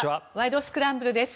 スクランブル」です。